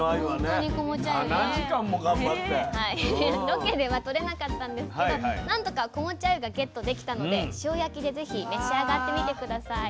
ロケではとれなかったんですけど何とか子持ちあゆがゲットできたので塩焼きでぜひ召し上がってみて下さい。